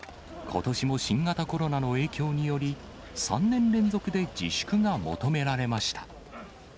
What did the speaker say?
ことしも新型コロナの影響により、３年連続で自粛が求められました。